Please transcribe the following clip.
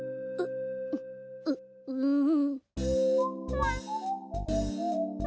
うううん。